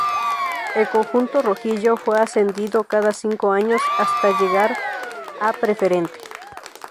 El conjunto rojillo fue ascendiendo cada cinco años hasta llegar a Preferente.